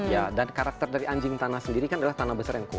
ya dan karakter dari anjing tanah sendiri kan adalah tanah besar yang kuat